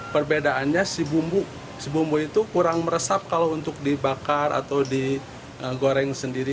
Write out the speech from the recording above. perbedaannya si bumbu si bumbu itu kurang meresap kalau untuk dibakar atau digoreng sendiri